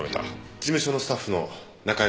事務所のスタッフの中江と申します。